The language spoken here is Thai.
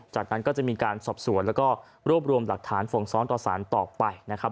จากนั้นก็จะมีการสอบสวนแล้วก็รวบรวมหลักฐานส่งซ้อนต่อสารต่อไปนะครับ